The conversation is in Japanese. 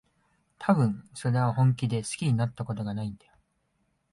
たぶん、それは本気で好きになったことがないんだよ。